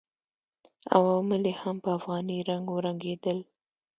عوامل یې هم په افغاني رنګ ورنګېدل.